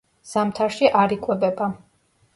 ზამთარში არ იკვებება.